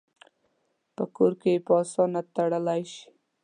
په کور کې یې په آسانه تړلی شي.